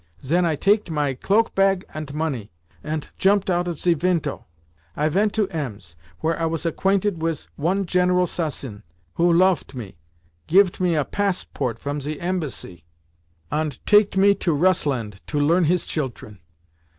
Zen I taket my cloak bag ant money, ant jompet out of ze vintow. I vent to Ems, where I was acquainted wis one General Sasin, who loaft me, givet me a passport from ze Embassy, ant taket me to Russland to learn his chiltren.